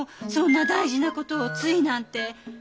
そんな大事なことをついなんて。